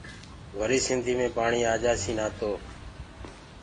وري سنڌيٚ مي پاڻيٚ آجآسيٚ نآ تو